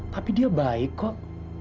tapi dia baik kok